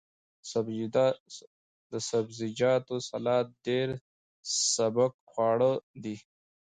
د سبزیجاتو سلاد ډیر سپک خواړه دي.